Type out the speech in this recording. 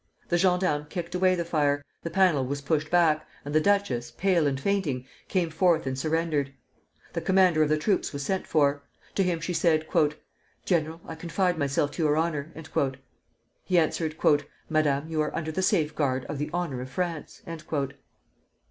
The gendarmes kicked away the fire, the panel was pushed back, and the duchess, pale and fainting, came forth and surrendered. The commander of the troops was sent for. To him she said: "General, I confide myself to your honor." He answered, "Madame, you are under the safeguard of the honor of France."